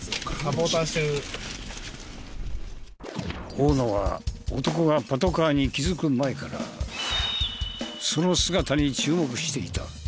大野は男がパトカーに気づく前からその姿に注目していた。